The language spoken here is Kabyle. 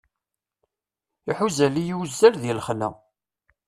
Iḥuza-yi uzal di lexla.